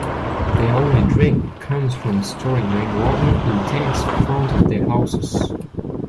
Their only drink comes from storing rain water in tanks front of their houses.